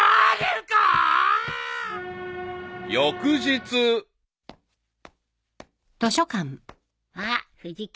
［翌日］・あっ藤木